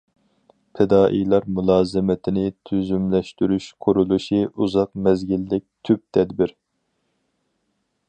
پىدائىيلار مۇلازىمىتىنى تۈزۈملەشتۈرۈش قۇرۇلۇشى ئۇزاق مەزگىللىك، تۈپ تەدبىر.